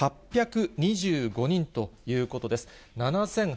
７８２５人ということです。